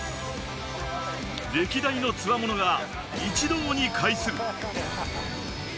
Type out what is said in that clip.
歴代のつわものが一堂に会する。